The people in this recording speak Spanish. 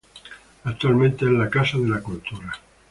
Actualmente es la Casa de la Cultura.